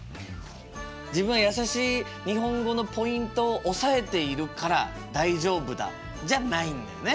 自分はやさしい日本語のポイントを押さえているから大丈夫だじゃないんだよね。